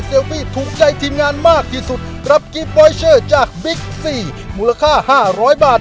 เซลฟี่ถูกใจทีมงานมากที่สุดรับกิ๊บจากมูลค่าห้าร้อยบาท